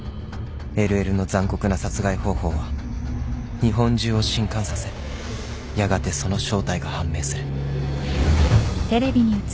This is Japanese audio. ［ＬＬの残酷な殺害方法は日本中を震撼させやがてその正体が判明する］